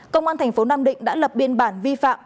công an thành phố nam định đã lập biên bản vi phạm